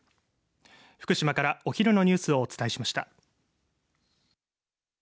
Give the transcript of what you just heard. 福島からお昼のニュースをお伝えしました。